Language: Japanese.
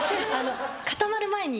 固まる前に。